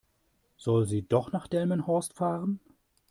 Soll sie doch nach Delmenhorst fahren?